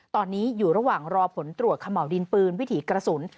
ตอนนี้อยู่ระหว่างรอผลตรวจเขม่าวดินปืนวิถีกระสุน